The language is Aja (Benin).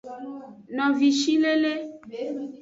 Novishilele.